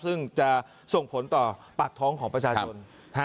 ซึ่งจะส่งผลต่อปากท้องของประชาชน